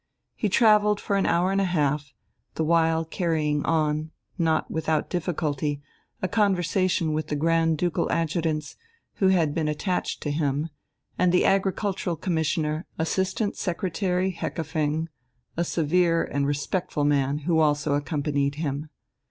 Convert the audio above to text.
He travelled for an hour and a half, the while carrying on, not without difficulty, a conversation with the Grand Ducal adjutants, who had been attached to him, and the Agricultural Commissioner, Assistant Secretary Heckepfeng, a severe and respectful man who also accompanied him.